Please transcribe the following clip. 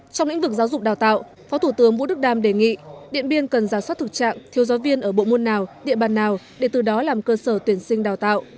trong lĩnh vực giáo dục đào tạo phó thủ tướng vũ đức đam đề nghị điện biên cần giả soát thực trạng thiếu giáo viên ở bộ môn nào địa bàn nào để từ đó làm cơ sở tuyển sinh đào tạo